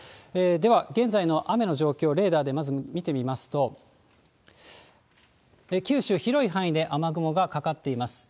では現在の雨の状況、レーダーでまず見てみますと、九州、広い範囲で雨雲がかかっています。